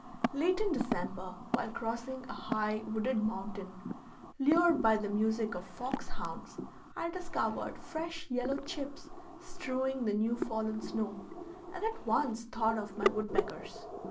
Late in December, while crossing a high, wooded mountain, lured by the music of fox hounds, I discovered fresh yellow chips strewing the new fallen snow, and at once thought of my woodpeckers.